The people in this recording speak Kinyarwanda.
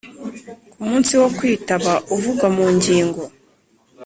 Ku munsi wo kwitaba uvugwa mu ngingo